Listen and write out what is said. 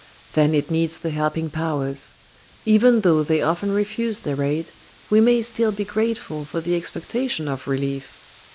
Then it needs the helping powers. Even though they often refuse their aid, we may still be grateful for the expectation of relief.